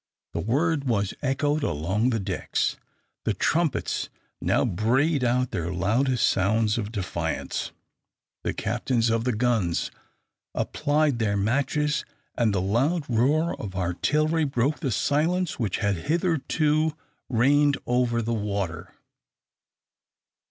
The word was echoed along the decks. The trumpets now brayed out their loudest sounds of defiance. The captains of the guns applied their matches, and the loud roar of artillery broke the silence which had hitherto reigned over the water.